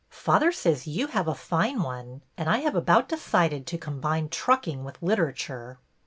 Father says you have a fine one, and I have about decided to combine trucking with Literature."